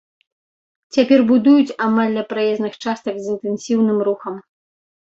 Цяпер будуюць амаль ля праезных частак з інтэнсіўным рухам.